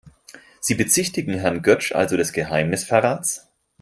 Sie bezichtigen Herrn Götsch also des Geheimnisverrats?